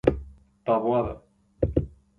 Taboada.